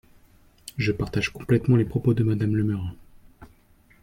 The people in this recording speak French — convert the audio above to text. Je partage complètement les propos de Madame Le Meur.